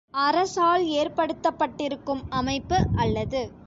அரசால் ஏற்படுத்தப்பட்டிருக்கும் அமைப்பு அல்லது